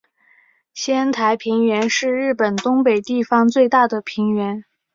仙台平原是日本东北地方最大的平原。